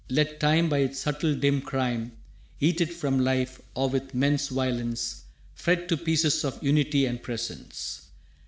Let Time By its subtle dim crime Eat it from life, or with men's violence fret To pieces out of unity and presence.